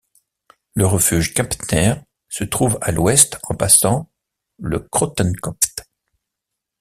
Le refuge Kemptner se trouve à l'ouest en passant le Krottenkopf.